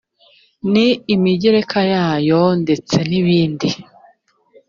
n imigereka yayo ndetse n ibindi